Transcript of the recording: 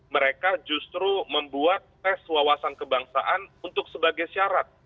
mereka justru membuat tes wawasan kebangsaan untuk sebagai syarat